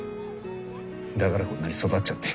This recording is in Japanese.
だからこんなに育っちゃって。